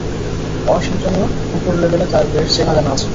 ওয়াশিংটনেও উপর লেভেলে তাঁর বেশ চেনা-জানা আছে।